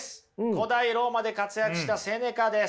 古代ローマで活躍したセネカです。